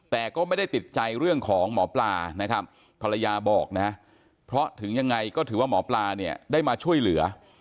แต่ก็ไม่ได้ติดใจเรื่องของหมอปลานะครับภรรยาบอกนะเพราะถึงยังไงก็ถือว่าหมอปลาเนี่ยได้มาช่วยเหลือ